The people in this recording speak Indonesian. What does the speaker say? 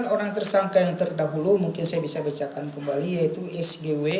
sembilan orang tersangka yang terdahulu mungkin saya bisa bacakan kembali yaitu sgw